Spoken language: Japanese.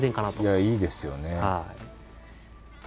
いやいいですよね。